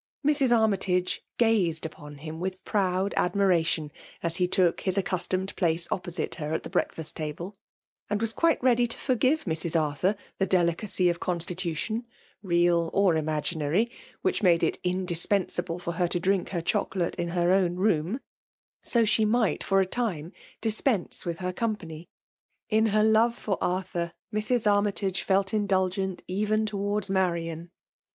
Mrs. Armytage gazed upon him with proud adiniration» as he took his accustomed place opposite her at the breakfast table ; and was quite ready to for give Mrs. Arthur the delicacy of constitution, teal or imag^ary, which made it indispensable for her to drink her chocolate in her ovm room, to she might for a time dispense with her com pany. In her love for Arthur, Mrs. Armytage felt indulgent even towards Marian.